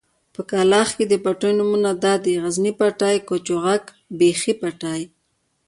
په کلاخ کې د پټيو نومونه دادي: غزني پټی، کچوغک، بېخۍ پټی.